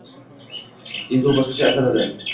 Endi u boshqacha ataladi